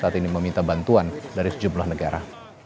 saat ini meminta bantuan dari sejumlah negara